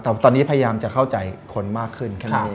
แต่ตอนนี้พยายามจะเข้าใจคนมากขึ้น